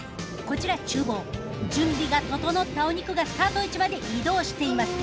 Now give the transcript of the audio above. こちら厨房準備が整ったお肉がスタート位置まで移動しています。